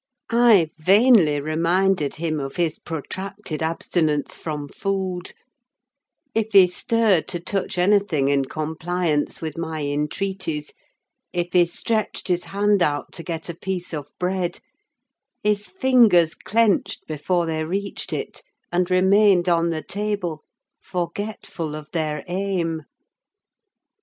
I vainly reminded him of his protracted abstinence from food: if he stirred to touch anything in compliance with my entreaties, if he stretched his hand out to get a piece of bread, his fingers clenched before they reached it, and remained on the table, forgetful of their aim.